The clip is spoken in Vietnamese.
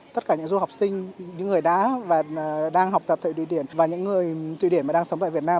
tất cả những du học sinh những người đã và đang học tập tại thụy điển và những người thụy điển mà đang sống tại việt nam